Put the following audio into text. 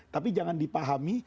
tapi jangan dipahami